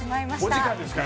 お時間ですか？